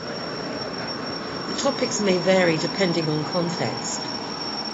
The topics may vary depending on context.